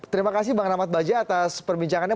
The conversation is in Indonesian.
terima kasih bang ramad bajah atas perbincangannya